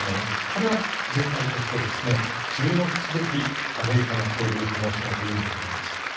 これは全体として注目すべきアメリカの潮流と申し上げていいんだと思います。